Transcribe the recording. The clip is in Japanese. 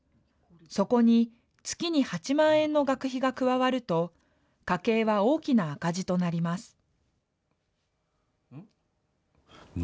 そこに月に８万円の学費が加わると、家計は大きな赤字となります。